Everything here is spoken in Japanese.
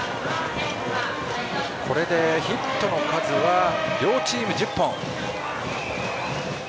これでヒットの数は両チーム１０本。